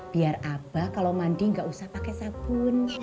biar abah kalau mandi nggak usah pakai sabun